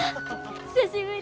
久しぶり！